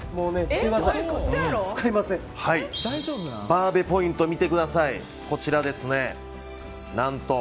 バーべポイント見てください。